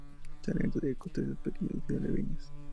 Se alimenta de crustáceos pequeños y alevines.